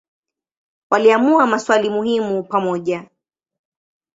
Waliamua maswali muhimu pamoja.